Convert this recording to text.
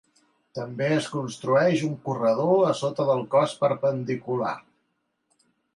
També es construeix un corredor a sota del cos perpendicular.